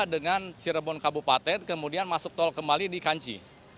dengan cirebon kabupaten kemudian masuk tol kembali di kanci